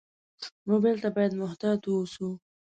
موبایل ته باید محتاط ووسو.